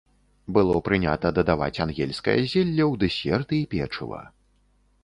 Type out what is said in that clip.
Было прынята дадаваць ангельскае зелле у дэсерты і печыва.